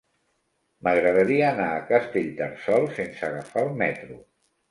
M'agradaria anar a Castellterçol sense agafar el metro.